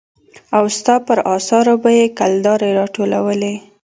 او ستا پر اثارو به يې کلدارې را ټولولې.